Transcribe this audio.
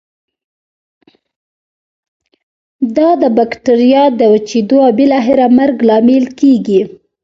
دا د بکټریا د وچیدو او بالاخره مرګ لامل کیږي.